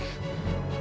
tidak ada apa apa